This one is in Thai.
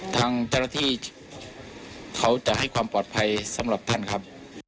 ทางเจ้าหน้าที่เขาจะให้ความปลอดภัยสำหรับท่านครับ